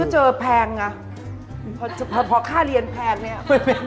ก็เจอแพงอ่ะพอค่าเรียนแพงนี่